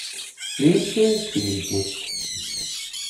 Blinzeln zählt nicht.